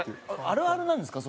あるあるなんですか？